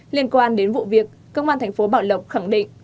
liên quan đến vụ việc công an thành phố bảo lộc khẳng định